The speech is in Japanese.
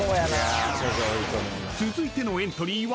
［続いてのエントリーは］